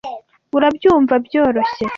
Urabyumva byoroshye.